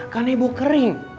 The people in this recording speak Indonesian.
kan nebo kering